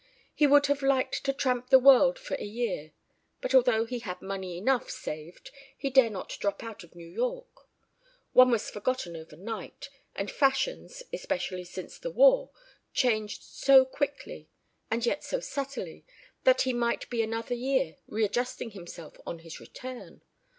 He would have liked to tramp the world for a year. But although he had money enough saved he dared not drop out of New York. One was forgotten overnight, and fashions, especially since the war, changed so quickly and yet so subtly that he might be another year readjusting himself on his return.